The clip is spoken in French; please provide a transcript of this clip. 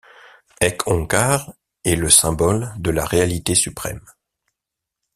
Ek Onkar est le symbole de la Réalité Suprême.